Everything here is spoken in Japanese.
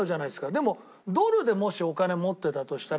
でもドルでもしお金持ってたとしたら。